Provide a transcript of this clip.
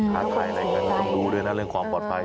ท้าทายอะไรกันต้องรู้ด้วยนะเรื่องความปลอดภัย